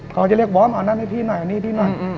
เขาจะเรียกวอร์มเอาหน้าให้พี่หน่อยนี่พี่หน่อย